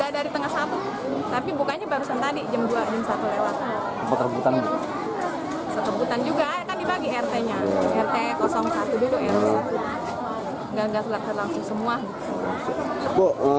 dari tengah satu tapi bukannya barusan tadi jembatan juga rt rt satu